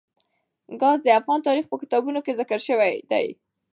ګاز د افغان تاریخ په کتابونو کې ذکر شوی دي.